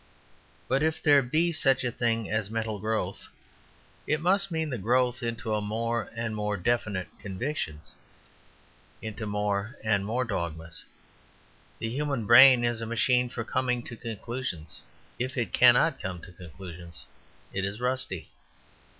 But if there be such a thing as mental growth, it must mean the growth into more and more definite convictions, into more and more dogmas. The human brain is a machine for coming to conclusions; if it cannot come to conclusions it is rusty.